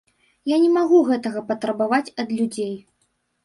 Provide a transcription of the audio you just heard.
Я не магу гэтага патрабаваць ад людзей.